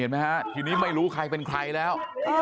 ไหมฮะทีนี้ไม่รู้ใครเป็นใครแล้ว